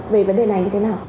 về vấn đề này như thế nào